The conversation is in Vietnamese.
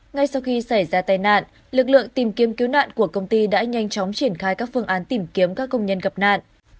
ngay sau khi xảy ra tai nạn lực lượng tìm kiếm cứu nạn của công ty đã nhanh chóng triển khai các phương án tìm kiếm các công nhân gặp nạn